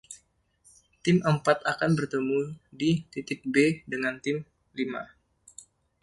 Tim Empat akan bertemu di titik B dengan tim Lima.